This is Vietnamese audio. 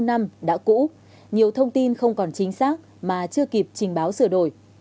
sáu năm đã cũ nhiều thông tin không còn chính xác mà chưa kịp trình báo sửa đổi